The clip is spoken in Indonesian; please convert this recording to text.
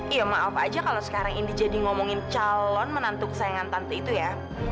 iya maaf aja kalau sekarang ini jadi ngomongin calon menantu kesayangan tantu itu ya